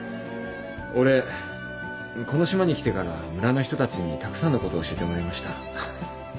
俺この島に来てから村の人たちにたくさんのことを教えてもらいました。